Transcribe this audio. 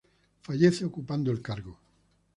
Fallece ocupando el cargo.